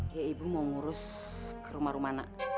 iya ibu mau ngurus ke rumah rumana